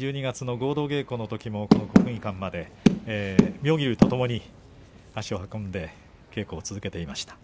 １２月の合同稽古のときも国技館まで妙義龍とともに足を運んで稽古を続けていました。